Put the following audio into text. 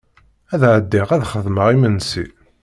Ad ɛeddiɣ ad xedmeɣ imensi.